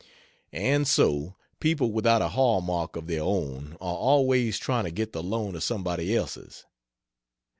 And so, people without a hall mark of their own are always trying to get the loan of somebody else's.